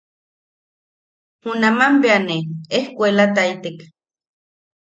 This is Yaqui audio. Junaman bea ne ejkuelataitek.